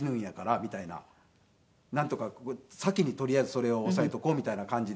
なんとか先にとりあえずそれを押さえておこうみたいな感じで。